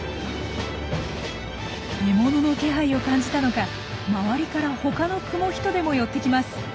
獲物の気配を感じたのか周りから他のクモヒトデも寄ってきます。